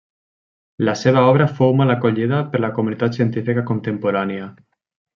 La seva obra fou mal acollida per la comunitat científica contemporània.